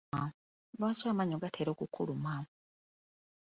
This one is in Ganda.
Lwaki amannyo gatera okumuluma?